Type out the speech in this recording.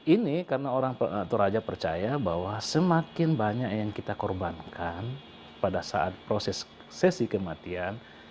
ini karena orang toraja percaya bahwa semakin banyak yang kita korbankan pada saat proses sesi kematian